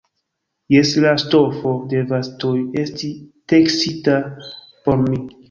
Jes, la ŝtofo devas tuj esti teksita por mi!